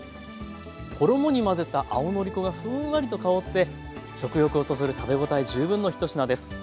衣に混ぜた青のり粉がふんわりと香って食欲をそそる食べ応え十分の１品です。